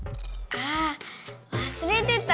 あわすれてた。